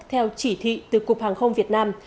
theo chỉ thị từ cục hàng không việt nam